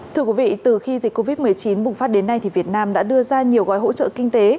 thưa quý vị từ khi dịch covid một mươi chín bùng phát đến nay thì việt nam đã đưa ra nhiều gói hỗ trợ kinh tế